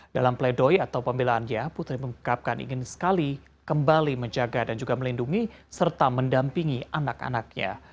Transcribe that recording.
dalam pledoi atau pembelaannya putri mengungkapkan ingin sekali kembali menjaga dan juga melindungi serta mendampingi anak anaknya